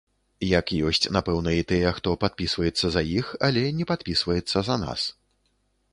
Як ёсць, напэўна, і тыя, хто падпісваецца за іх, але не падпісваецца за нас.